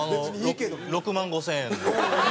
６万５０００円の。